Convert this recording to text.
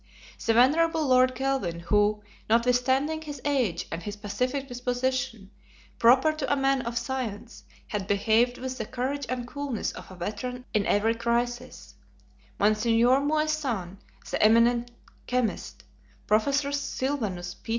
The venerable Lord Kelvin, who, notwithstanding his age, and his pacific disposition, proper to a man of science, had behaved with the courage and coolness of a veteran in every crisis; Monsieur Moissan, the eminent chemist; Prof. Sylvanus P.